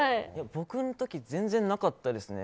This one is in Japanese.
僕の時全然なかったですね。